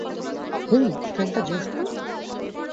হেই, ট্রেনটা জোশ তো।